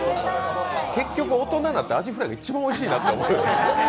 結局、大人になってあじフライが一番おいしいなって。